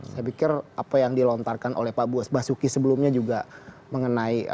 saya pikir apa yang dilontarkan oleh pak basuki sebelumnya juga mengenai